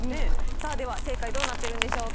さあでは、正解どうなってるんでしょうか。